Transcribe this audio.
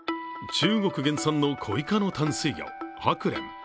中国原産のコイ科の淡水魚ハクレン。